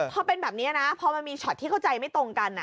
พอเป็นแบบนี้นะพอมันมีช็อตที่เข้าใจไม่ตรงกัน